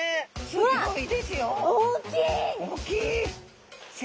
すごい！